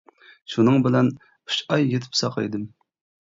شۇنىڭ بىلەن ئۈچ ئاي يېتىپ ساقايدىم.